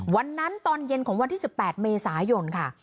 วันนั้นตอนเย็นของวันที่๑๘เมษายนค่ะ